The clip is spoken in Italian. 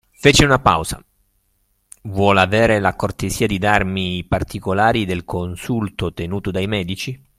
Fece una pausa: Vuol avere la cortesia di darmi i particolari del consulto tenuto dai medici?